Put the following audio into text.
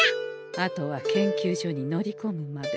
あとは研究所に乗りこむまで。